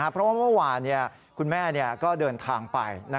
เพราะว่าเมื่อวานคุณแม่ก็เดินทางไป